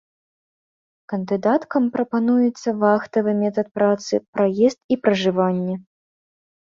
Кандыдаткам прапануецца вахтавы метад працы, праезд і пражыванне.